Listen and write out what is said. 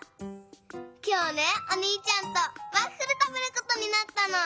きょうねおにいちゃんとワッフルたべることになったの。